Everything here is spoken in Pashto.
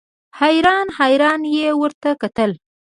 حیران حیران یې ورته کتل.